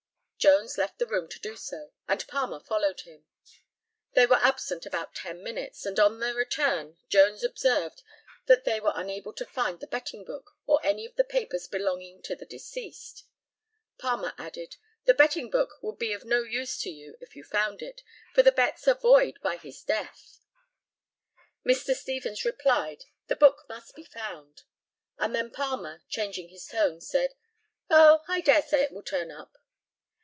Jones left the room to do so, and Palmer followed him. They were absent about ten minutes, and on their return Jones observed that they were unable to find the betting book or any of the papers belonging to the deceased. Palmer added, "The betting book would be of no use to you if you found it, for the bets are void by his death." Mr. Stevens replied, "The book must be found;" and then Palmer, changing his tone, said, "Oh, I dare say it will turn up."